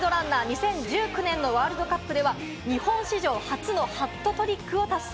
２０１９年のワールドカップでは、日本史上初のハットトリックを達成。